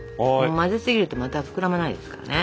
混ぜすぎるとまた膨らまないですからね。